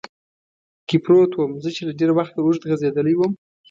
کې پروت ووم، زه چې له ډېر وخته اوږد غځېدلی ووم.